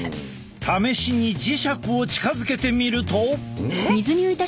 試しに磁石を近づけてみると。